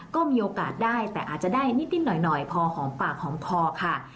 ก็มีโอกาสได้แต่อาจจะได้นิดหน่อยพอหอมปากหอมคอค่ะ